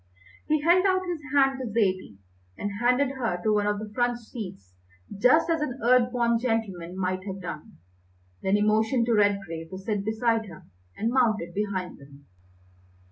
He held out his hand to Zaidie, and handed her to one of the front seats just as an Earth born gentleman might have done. Then he motioned to Redgrave to sit beside her, and mounted behind them.